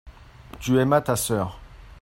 tu aimas ta sœur.